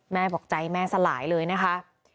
แม่บอกใจแม่สลายเลยนะคะ